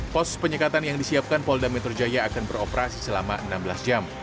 pos penyekatan yang disiapkan polda metro jaya akan beroperasi selama enam belas jam